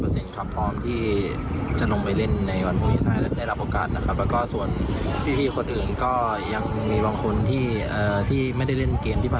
สำหรับตัวผมก็ค่อนข้าง๑๐๐ครับ